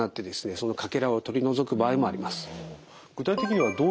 そのかけらを取り除く場合もあります。